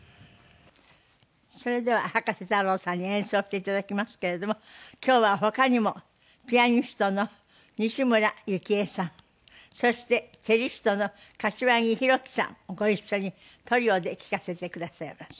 それでは葉加瀬太郎さんに演奏して頂きますけれども今日は他にもピアニストの西村由紀江さんそしてチェリストの柏木広樹さんご一緒にトリオで聴かせてくださいます。